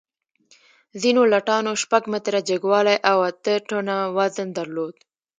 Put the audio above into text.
ځینو لټانو شپږ متره جګوالی او اته ټنه وزن درلود.